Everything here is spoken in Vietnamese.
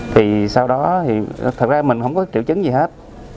thì sau đó thì thật ra mình không có triệu chứng gì hết